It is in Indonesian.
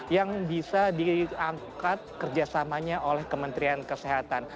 yang bisa diangkat kerjasamanya oleh kementerian kesehatan